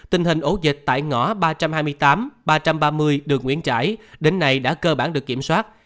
tình hình ổ dịch tại ngõ ba trăm hai mươi tám ba trăm ba mươi đường nguyễn trãi đến nay đã cơ bản được kiểm soát